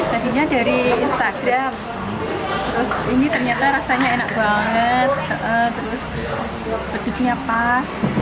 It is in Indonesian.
tadinya dari instagram terus ini ternyata rasanya enak banget terus pedasnya pas